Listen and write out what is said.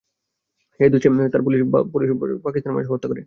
সেই দোষে তার পুলিশ অফিসার বাবাকে পাকিস্তানিরা তার মায়ের সামনে হত্যা করে।